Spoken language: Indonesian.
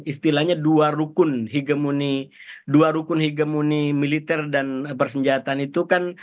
istilahnya dua rukun higemoni militer dan persenjataan itu kan